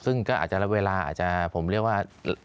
ซึ่งก็อาจจะรับเวลาอาจจะผมเรียกว่า